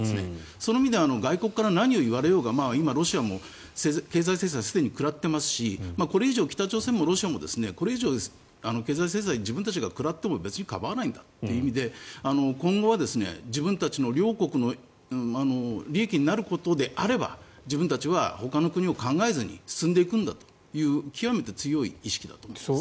その意味では外国から何を言われようが今、ロシアも経済制裁すでに食らっていますしこれ以上、北朝鮮もロシアも経済制裁を自分たちが食らっても別に構わないんだという意味で今後は自分たちの両国の利益になることであれば自分たちはほかの国を考えずに進んでいくんだという極めて強い意識だと思います。